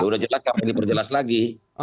sudah jelas kami diperjelas lagi